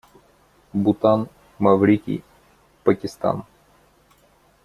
Бутан, Маврикий, Пакистан.